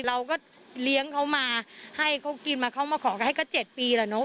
เราก็เลี้ยงเขามาให้เขากินมาเขามาขอกันให้ก็๗ปีแล้วเนอะ